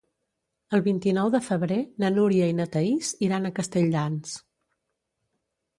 El vint-i-nou de febrer na Núria i na Thaís iran a Castelldans.